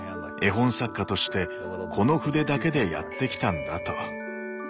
絵本作家として「この筆だけでやってきたんだ」と。